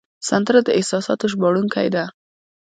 سندره د احساساتو ژباړونکی ده